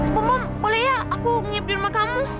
bapak bapak boleh ya aku ngip di rumah kamu